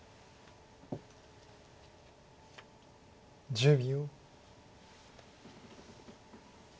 １０秒。